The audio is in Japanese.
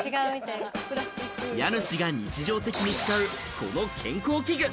家主が日常的に使うこの健康器具。